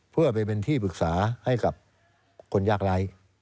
เพื่อไปเป็นที่ปรึกษาให้กับคนยากไร้